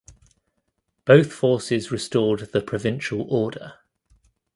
Both forces restored the provincial order.